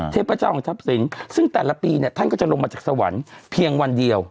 เทพเจ้าของทรัพย์สินซึ่งแต่ละปีเนี่ยท่านก็จะลงมาจากสวรรค์เพียงวันเดียว